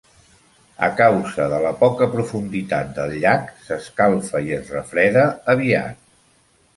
A causa de la poca profunditat del llac, s'escalfa i es refreda aviat.